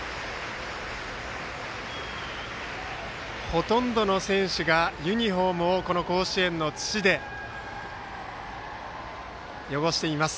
ほとんどの選手がユニフォームをこの甲子園の土で汚しています。